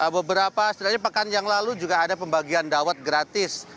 beberapa setidaknya pekan yang lalu juga ada pembagian dawet gratis